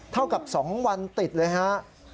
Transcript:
เท่ากับ๒วันติดเลยฮะ